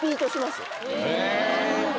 え！